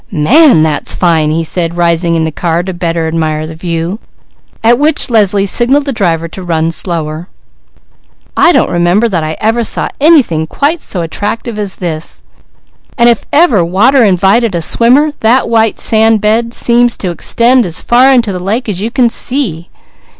"Man! That's fine!" he said, rising in the car to better admire the view, at which Leslie signalled the driver to run slower. "I don't remember that I ever saw anything quite so attractive as this. And if ever water invited a swimmer that white sand bed seems to extend as far into the lake as you can see.